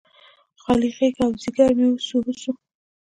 خالي غیږه او ځیګر مې وسوه، وسوه